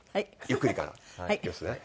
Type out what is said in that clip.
ゆっくりからいきますね。